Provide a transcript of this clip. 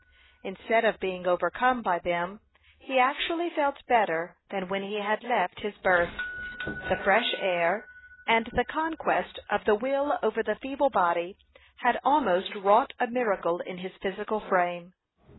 Instead of being overcome by them, he actually felt better than when he had left his berth. The fresh air, and the conquest of the will over the feeble body, had almost wrought a miracle in his physical frame.